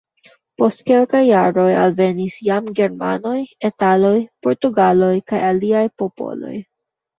Post kelkaj jaroj alvenis jam germanoj, italoj, portugaloj kaj aliaj popoloj.